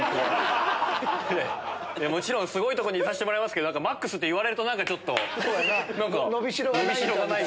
もちろんすごいとこにいさせてもらいますけどマックス！って言われると何かちょっと。